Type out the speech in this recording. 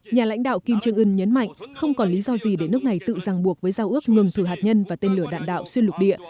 nhà lãnh đạo kim trương ưn nhấn mạnh không còn lý do gì để nước này tự ràng buộc với giao ước ngừng thử hạt nhân và tên lửa đạn đạo xuyên lục địa